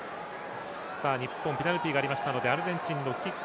日本ペナルティがありましたのでアルゼンチンのキック。